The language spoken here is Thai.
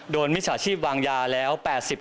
โดนมิจฉาชีพวางยาแล้ว๘๐๙๐